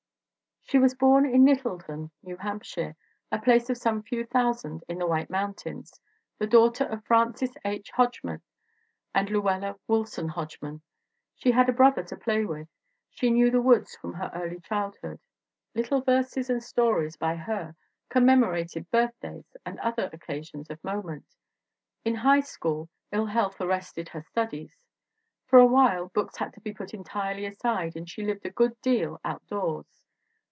She was born in Littleton, New Hampshire, a place of some few thousands in the White Mountains, the daughter of Francis H. Hodgman and Llewella Woolson Hodgman. She had a brother to play with. She "knew the woods from early childhood." Little verses and stories by her commemorated birthdays and other occasions of moment. In high school ill health arrested her studies. For a while books had to be put entirely aside and she lived a good deal out doors.